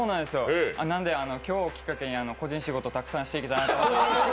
なので、今日をきっかけに個人仕事たくさんしていきたいなと思います。